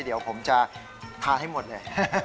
เดี๋ยวผมจะทานให้หมดเลย